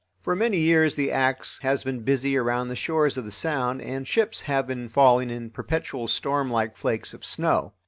For many years the axe has been busy around the shores of the Sound and ships have been falling in perpetual storm like flakes of snow.